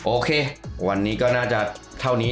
โอเควันนี้ก็น่าจะเท่านี้